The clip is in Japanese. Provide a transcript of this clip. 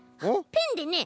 ペンでね